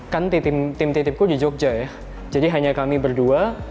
kan tim titipku di jogja ya jadi hanya kami berdua